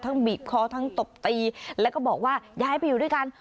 บีบคอทั้งตบตีแล้วก็บอกว่าย้ายไปอยู่ด้วยกัน